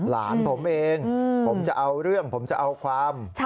หลานผมเองผมจะเอาเรื่องผมจะเอาความ